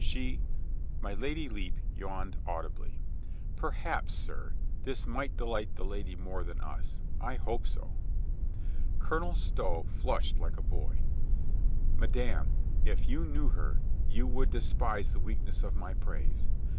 She —" My Lady Lepe yawned audibly. "Perhaps, sir, this might delight the lady more than us. I hope so." Colonel Stow flushed like a boy. "Madame, if you knew her, you would despise the weakness of my praise.